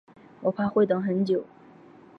我怕会等很久